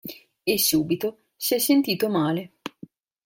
E subito si è sentito male.